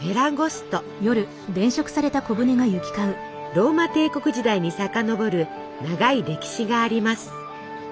ローマ帝国時代に溯る長い歴史があります。